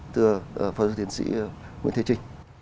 thưa ph t nguyễn thế trinh